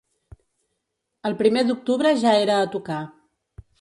El primer d’octubre ja era a tocar.